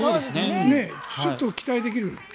ちょっと期待できる。